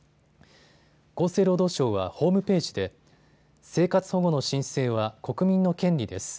厚生労働省はホームページで生活保護の申請は国民の権利です。